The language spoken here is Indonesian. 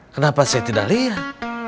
kenapa saya tidak lihat